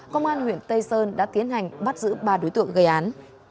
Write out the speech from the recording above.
công an huyện tây sơn đã tiến hành bắt giữ ba đối tượng gây án